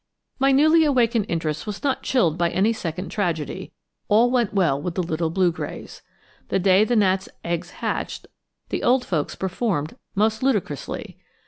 My newly awakened interest was not chilled by any second tragedy; all went well with the little blue grays. The day the gnat's eggs hatched, the old folks performed most ludicrously.